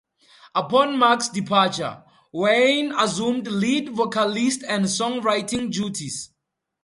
Upon Mark's departure, Wayne assumed lead vocalist and songwriting duties.